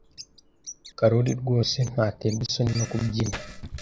Karoli rwose ntaterwa isoni no kubyina.